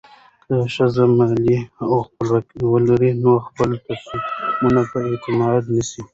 که ښځه مالي خپلواکي ولري، نو خپل تصمیمونه په اعتماد نیسي.